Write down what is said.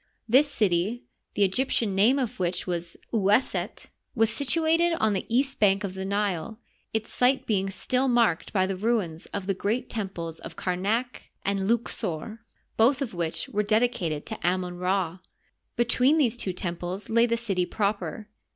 This city, the Egyp tian name of which was Oueset, was situated on the east bank of the Nile, its site being still marked by the ruins of the great temples of Kamak and Louqsor, both of which were dedicatea to Amon Rd, Between these two temples lay the city proper.